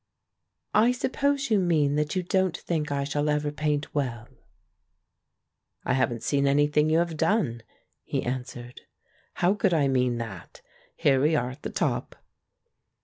"I suppose you mean that you don't think I shall ever paint well?" "I haven't seen anything you have done," he answered; "how could I mean that? ... Here we are at the top!"